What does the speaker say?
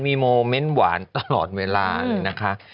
มีโมเมนต์หวานตลอดเวลาเลยนะคะ